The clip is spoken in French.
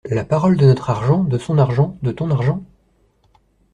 La parole de notre argent, de son argent, de ton argent!